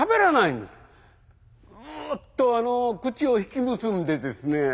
んっと口を引き結んでですね。